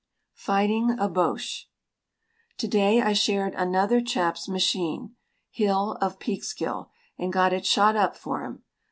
FIGHTING A BOCHE To day I shared another chap's machine (Hill of Peekskill), and got it shot up for him.